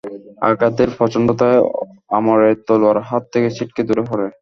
আঘাতের প্রচণ্ডতায় আমরের তলোয়ার হাত থেকে ছিটকে দুরে পড়ে।